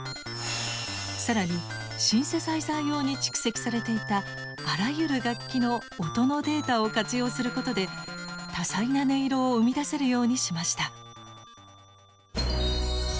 更にシンセサイザー用に蓄積されていたあらゆる楽器の音のデータを活用することで多彩な音色を生み出せるようにしました。